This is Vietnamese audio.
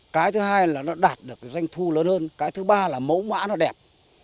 cái thứ hai là nó đạt được danh thu lớn hơn cái thứ ba là mẫu mã nó đẹp